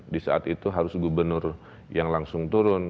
di saat itu harus gubernur yang langsung turun